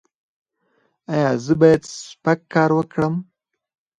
ایا زه باید سپک کار وکړم؟